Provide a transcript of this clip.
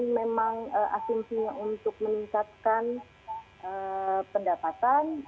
ini memang asinsinya untuk meningkatkan pendapatan